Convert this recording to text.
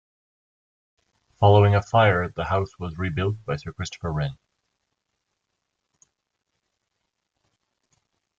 Following a fire, the house was rebuilt by Sir Christopher Wren.